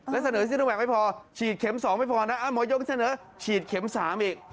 แล้วเสนอซิโนแวคไม่พอฉีดเข็ม๒ไม่พอนะหมอยกเสนอฉีดเข็ม๓อีก